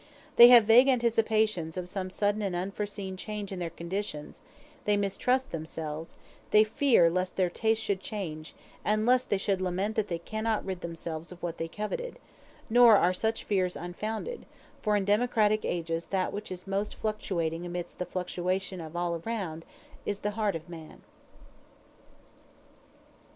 They have vague anticipations of some sudden and unforeseen change in their conditions; they mistrust themselves; they fear lest their taste should change, and lest they should lament that they cannot rid themselves of what they coveted; nor are such fears unfounded, for in democratic ages that which is most fluctuating amidst the fluctuation of all around is the heart of man.